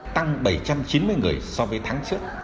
tăng bảy trăm chín mươi người so với tháng trước